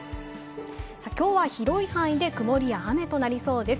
今日は広い範囲で曇りや雨となりそうです。